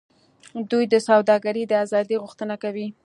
دوی د سوداګرۍ د آزادۍ غوښتنه کوي